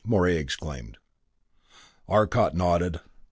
Morey exclaimed. Arcot nodded.